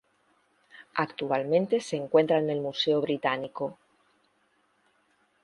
Actualmente se encuentra en el Museo Británico.